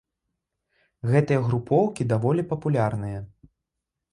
Гэтыя групоўкі даволі папулярныя.